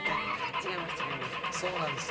違います違います。